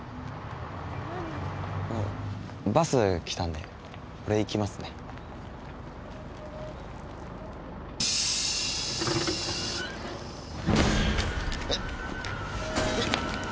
バス来たんで俺行きますねえっ